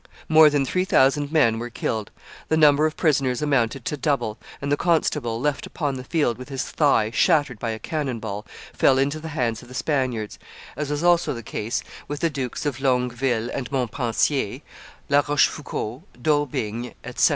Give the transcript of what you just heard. More than three thousand men were killed; the number of prisoners amounted to double; and the constable, left upon the field with his thigh shattered by a cannon ball, fell into the hands of the Spaniards, as was also the case with the Dukes of Longueville and Montpensier, La Rochefoucauld, D'Aubigne, &c. .